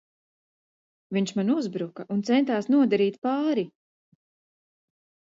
Viņš man uzbruka un centās nodarīt pāri!